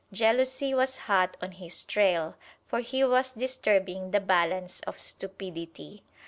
Jealousy was hot on his trail, for he was disturbing the balance of stupidity.